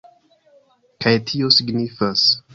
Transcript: Kaj tio signifas